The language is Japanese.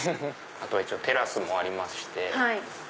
あとはテラスもありまして。